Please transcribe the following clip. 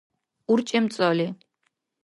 урчӀемцӀали